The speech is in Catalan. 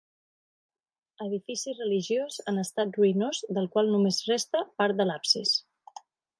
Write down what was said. Edifici religiós en estat ruïnós del qual només resta part de l'absis.